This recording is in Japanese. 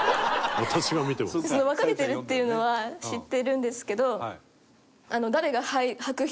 分かれてるっていうのは知ってるんですけど。